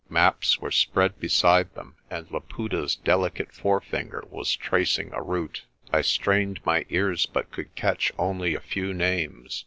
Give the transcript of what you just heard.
Maps were spread beside them, and Laputa's delicate forefinger was tracing a route. I strained my ears but could catch only a few names.